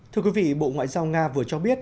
thưa quý vị bộ ngoại giao nga vừa cho biết